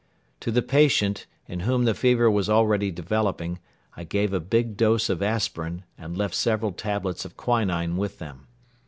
To the patient, in whom the fever was already developing, I gave a big dose of aspirin and left several tablets of quinine with them.